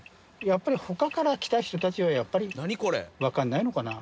やっぱり他から来た人たちはやっぱりわかんないのかな。